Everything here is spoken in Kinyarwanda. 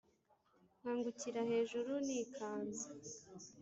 Nkangukira hejuru nikanze.